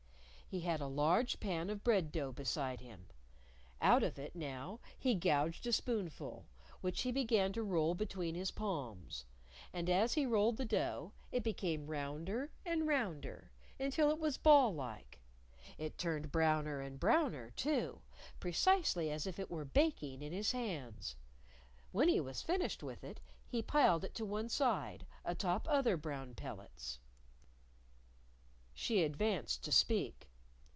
He had a large pan of bread dough beside him. Out of it, now, he gouged a spoonful, which he began to roll between his palms. And as he rolled the dough, it became rounder and rounder, until it was ball like. It turned browner and browner, too, precisely as if it were baking in his hands! When he was finished with it, he piled it to one side, atop other brown pellets. She advanced to speak.